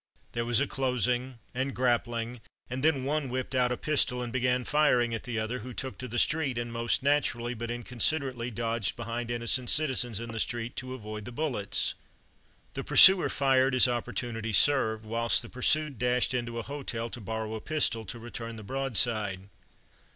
There was a closing and grappling, and then one whipped out a pistol and began firing at the other, who took to the street, and most naturally but inconsiderately dodged behind innocent citizens in the street to avoid the bullets. The pursuer fired as opportunity served, while the pursued dashed into a hotel to borrow a pistol to return the broadside.